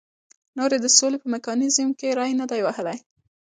نور یې د سولې په میکانیزم کې ری نه دی وهلی.